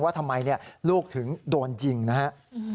ว่าทำไมเนี่ยลูกถึงโดนจริงนะฮะ